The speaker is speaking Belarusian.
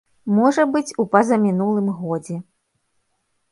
Можа быць, у пазамінулым годзе.